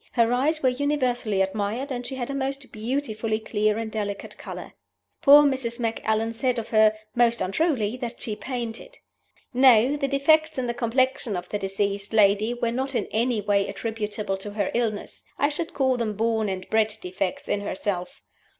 Her eyes were universally admired, and she had a most beautifully clear and delicate color. Poor Mrs. Macallan said of her, most untruly, that she painted. "No; the defects in the complexion of the deceased lady were not in any way attributable to her illness. I should call them born and bred defects in herself.